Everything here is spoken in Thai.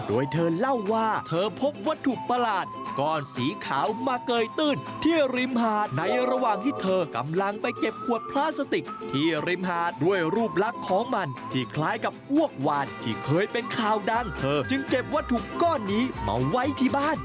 โดยเธอเล่าว่าเธอพบวัตถุประหลาดก้อนสีขาวมาเกยตื้นที่ริมหาดในระหว่างที่เธอกำลังไปเก็บขวดพลาสติกที่ริมหาดด้วยรูปลักษณ์ของมันที่คล้ายกับอ้วกวานที่เคยเป็นข่าวดังเธอจึงเก็บวัตถุก้อนนี้มาไว้ที่บ้าน